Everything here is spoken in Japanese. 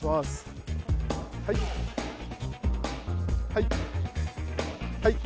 はい。